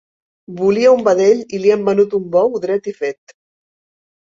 Volia un vedell i li han venut un bou dret i fet!